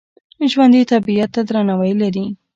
ژوندي طبیعت ته درناوی لري